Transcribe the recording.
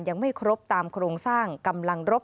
ยังไม่ครบตามโครงสร้างกำลังรบ